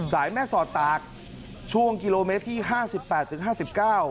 แม่สอดตากช่วงกิโลเมตรที่ห้าสิบแปดถึงห้าสิบเก้า